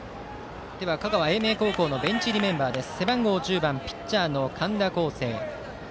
香川・英明高校のベンチ入りのメンバーです。